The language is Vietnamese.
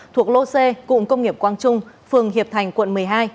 thuộc lô xê cụng công nghiệp quang trung phường hiệp thành quận một mươi hai